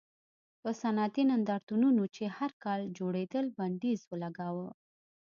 پر صنعتي نندارتونونو چې هر کال جوړېدل بندیز ولګاوه.